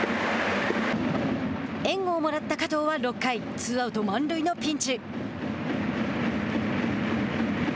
援護をもらった加藤は６回ツーアウト、満塁のピンチ。